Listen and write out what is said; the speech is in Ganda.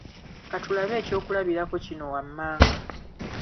ka tulabe eky’okulabirako kino wammanga